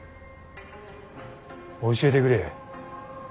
教えてくれ。